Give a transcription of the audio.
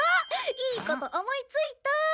いいこと思いついた。